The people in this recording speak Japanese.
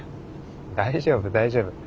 大丈夫大丈夫。